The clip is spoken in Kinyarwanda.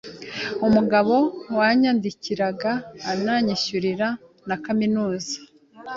mugabo wandihiraga anyishyurira na kaminuza